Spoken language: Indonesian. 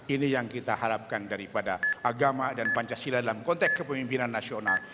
ini yang kita harapkan daripada agama dan pancasila dalam konteks kepemimpinan nasional